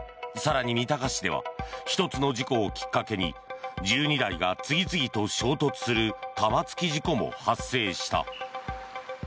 更に、三鷹市では１つの事故をきっかけに１２台が次々と衝突する玉突き事故も発生した。